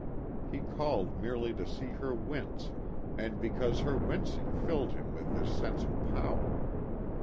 He called merely to see her wince and because her wincing filled him with this sense of power.